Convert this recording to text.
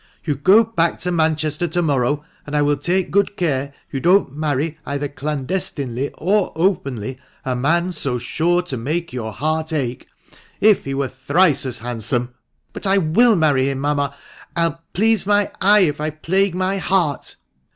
You go back to Manchester to morrow, and I will take good care you don't marry either clandestinely or openly a man so sure to make your heart ache, if he were thrice as hand some !"" But I WILL marry him, mamma — Vll please my eye, if 1 plague my heart